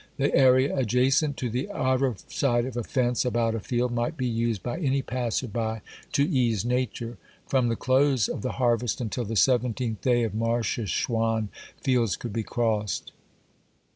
The area adjacent to the outer side of a fence about a field might be used by any passer by to ease nature. From the close of the harvest until the seventeenth day of Marheshwan fields could be crossed.